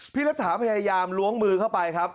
รัฐาพยายามล้วงมือเข้าไปครับ